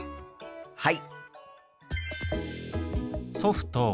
はい！